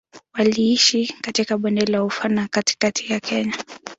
Waliishi katika Bonde la Ufa na katikati ya Kenya.